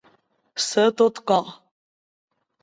Ser tot cor.